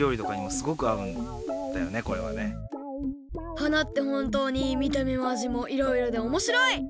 花ってほんとうにみためもあじもいろいろでおもしろい！